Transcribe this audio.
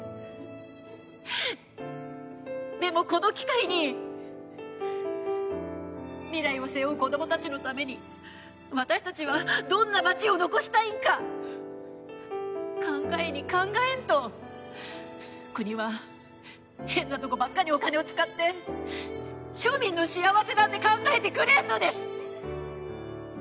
でもこの機会に未来を背負う子供たちのために私たちはどんな町を残したいんか考えに考えんと国は変なとこばっかにお金を使って庶民の幸せなんて考えてくれんのです！